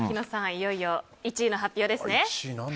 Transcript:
いよいよ１位の発表ですね。